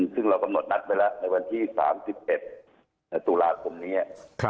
ซึ่งเรากำลับนัดไปแล้วในวันที่สามสิบเจ็ดจุฬาคมเนี้ย